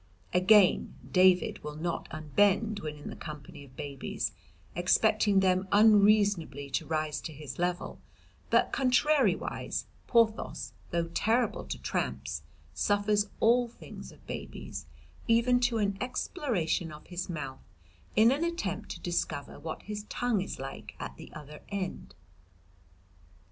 Again, David will not unbend when in the company of babies, expecting them unreasonably to rise to his level, but contrariwise Porthos, though terrible to tramps, suffers all things of babies, even to an exploration of his mouth in an attempt to discover what his tongue is like at the other end.